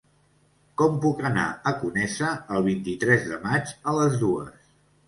Com puc anar a Conesa el vint-i-tres de maig a les dues?